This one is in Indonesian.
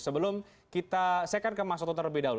sebelum kita saya akan ke mas toto terlebih dahulu